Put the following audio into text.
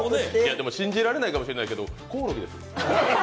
でも、信じられないかもしれないけど、コオロギです。